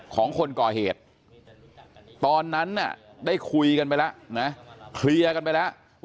ของคนก่อเหตุตอนนั้นได้คุยกันไปแล้วนะเคลียร์กันไปแล้ว